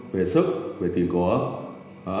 về sức về tiền cổ